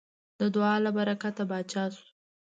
د دعا له برکته پاچا شو.